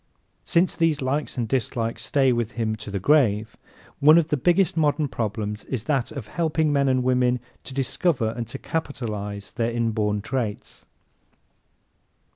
Since these likes and dislikes stay with him to the grave, one of the biggest modern problems is that of helping men and women to discover and to capitalize their inborn traits.